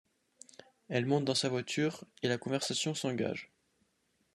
Elle monte dans sa voiture et la conversation s'engage.